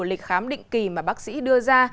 lịch khám định kỳ mà bác sĩ đưa ra